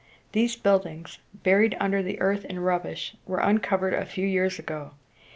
These buildings, buried under earth and rubbish, were uncovered a few years ago.